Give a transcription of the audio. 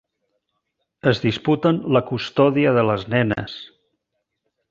Es disputen la custòdia de les nenes.